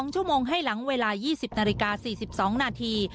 ๒ชั่วโมงให้หลังเวลา๒๐นาฬิกา๔๒นาที